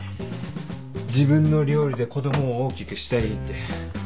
自分の料理で子供を大きくしたいって。